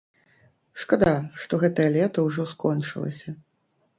Шкада, што гэтае лета ўжо скончылася.